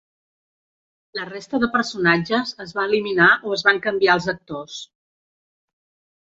La resta de personatges es va eliminar o es van canviar els actors.